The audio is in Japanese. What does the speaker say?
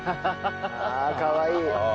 ああかわいい。